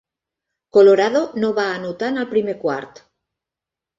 Colorado no va anotar en el primer quart.